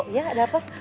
iya gak ada apa